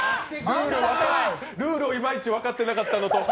ルールをいまいち分かってなかったのと